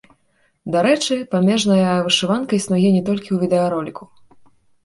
Дарэчы, памежная вышыванка існуе не толькі ў відэароліку.